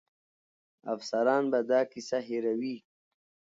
افسران به دا کیسه هېروي.